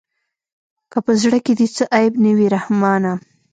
که په زړه کښې دې څه عيب نه وي رحمانه.